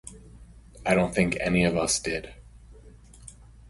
I don't think any of us did.